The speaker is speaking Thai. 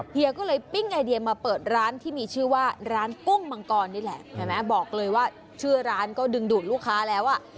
เฮียก็เลยปิ้งไอเดียมาเปิดร้านที่มีชื่อว่าร้านกุ้งมังกรนี่แหละเห็นไหมบอกเลยว่าชื่อร้านก็ดึงดูดลูกค้าแล้วอ่ะ